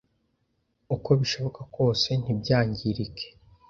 Uko bishoboka kose ntibyangirike